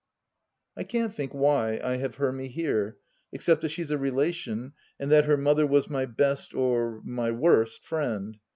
I can't think why I have Hermy here, except that she's a relation, and that her mother was my best — or my worst — friend.